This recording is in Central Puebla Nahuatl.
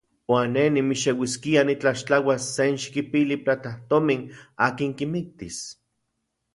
¿Uan ne nimixeuiskia nitlaxtlauas senxikipili platajtomin akin kimiktis?